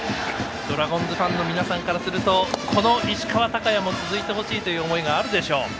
ドラゴンズファンの皆さんからするとこの石川昂弥も続いてほしいという思いがあるでしょう。